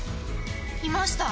いました。